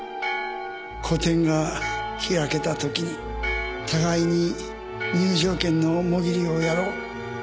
個展が開けたときに互いに入場券のモギリをやろう。